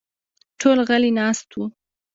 ټول غلي ناست وو.